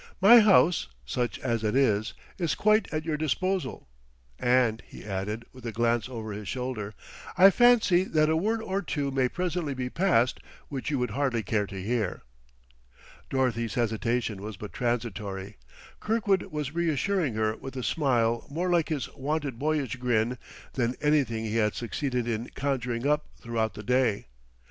"My house, such as it is, is quite at your disposal. And," he added, with a glance over his shoulder, "I fancy that a word or two may presently be passed which you would hardly care to hear." Dorothy's hesitation was but transitory; Kirkwood was reassuring her with a smile more like his wonted boyish grin than anything he had succeeded in conjuring up throughout the day.